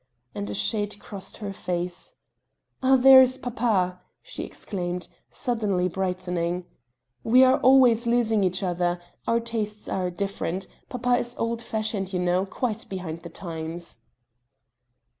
and a shade crossed her face "ah, there is papa!" she exclaimed, suddenly brightening, "we are always losing each other our tastes are different papa is old fashioned you know quite behind the times